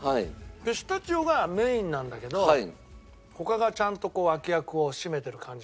ピスタチオがメインなんだけど他がちゃんとこう脇役を締めてる感じがするね。